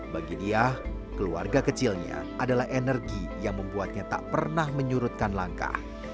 bagi dia keluarga kecilnya adalah energi yang membuatnya tak pernah menyurutkan langkah